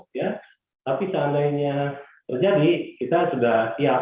tapi seandainya terjadi kita sudah siap